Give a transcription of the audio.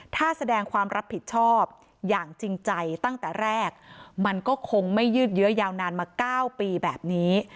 ถ้าแสดงความรับผิดชอบอย่างจริงใจตั้งแต่แรกมันก็คงไม่ยืดเยอะยาวนานมา๙ปีแบบนี้